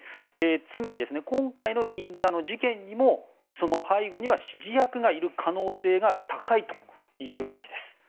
つまり、今回の銀座の事件にもその背後には指示役がいる可能性が高いといえるわけです。